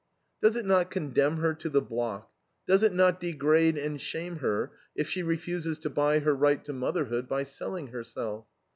Does it not condemn her to the block, does it not degrade and shame her if she refuses to buy her right to motherhood by selling herself?